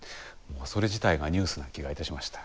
それ自体がニュースな気がいたしました。